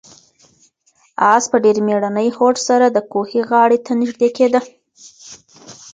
آس په ډېر مېړني هوډ سره د کوهي غاړې ته نږدې کېده.